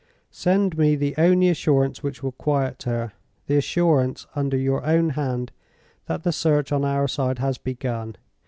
Send me the only assurance which will quiet her—the assurance, under your own hand, that the search on our side has begun.